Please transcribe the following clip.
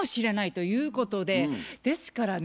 ですからね